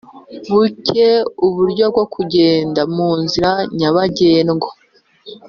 buke uburyo bwo kugenda mu nzira nyabagendwa